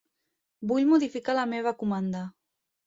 Vull modificar la meva comanda.